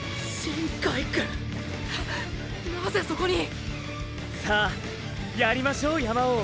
なぜそこに⁉さぁやりましょう山王！！